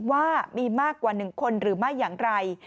ว่ามีมากกว่า๑คนหรือไม่อย่างไร